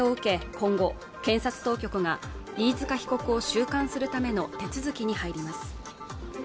今後検察当局が飯塚被告を収監するための手続きに入ります